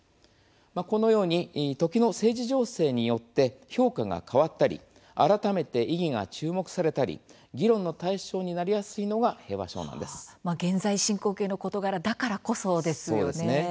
このように時の政治情勢によって評価が変わったり改めて意義が注目されたり議論の対象となりやすいのが現在進行形の事柄だからこそですよね。